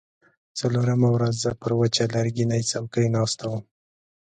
څلورمه ورځ زه پر وچه لرګینۍ څوکۍ ناسته وم.